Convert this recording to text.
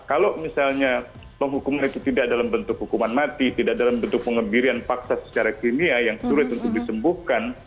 kalau misalnya penghukuman itu tidak dalam bentuk hukuman mati tidak dalam bentuk pengebirian paksa secara kimia yang sulit untuk disembuhkan